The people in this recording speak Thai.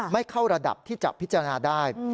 ไม่เข้าระดับที่จะพิจารณาได้